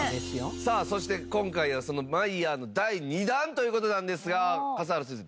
さあそして今回はそのマイヤーの第２弾という事なんですが笠原先生